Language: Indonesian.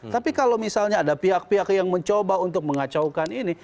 tapi kalau misalnya ada pihak pihak yang mencoba untuk mengacaukan ini